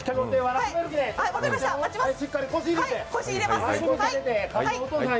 しっかり腰入れて！